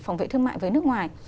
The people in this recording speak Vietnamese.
phòng vệ thương mại với nước ngoài